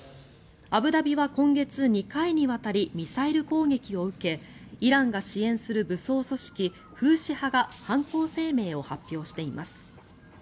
アブダビは今月２回にわたりミサイル攻撃を受けイランが支援する武装組織フーシ派が犯行声明を発表しています。